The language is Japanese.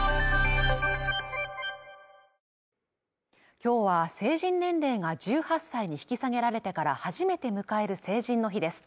今日は成人年齢が１８歳に引き下げられてから初めて迎える成人の日です